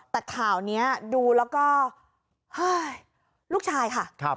แต่ข่าวนี้ดูแล้วก็เฮ้ยลูกชายค่ะ